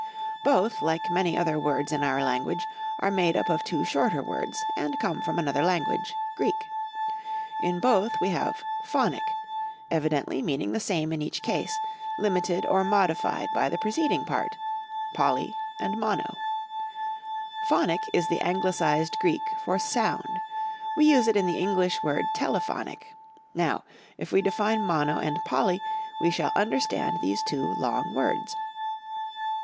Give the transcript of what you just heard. Both, like many other words in our language, are made up of two shorter words, and come from another language Greek. In both we have "phonic," evidently meaning the same in each case, limited or modified by the preceding part poly and mono. Phonic is the Anglicized Greek for sound. We use it in the English word telephonic. Now if we define mono and poly we shall understand these two long words.